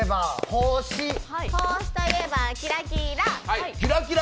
星といえばキラキラ。